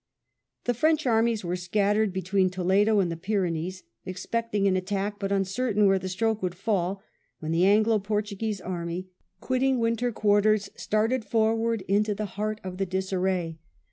The French armies were scattered between Toledo and the Pyrenees, expecting an attack but uncertain where the stroke would fall, when the Anglo Portuguese army, quitting winter quarters, started forward into the heart of the disarray.